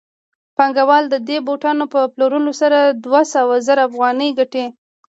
پانګوال د دې بوټانو په پلورلو سره دوه سوه زره افغانۍ ګټي